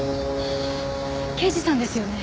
刑事さんですよね？